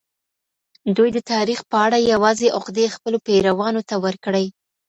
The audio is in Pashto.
دوی د تاریخ په اړه یوازي عقدې خپلو پیروانو ته ورکړې.